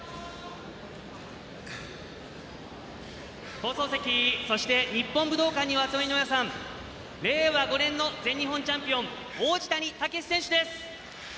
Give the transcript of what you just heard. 放送席、そして日本武道館にお集まりの皆さん令和５年の全日本チャンピオン王子谷剛志選手です。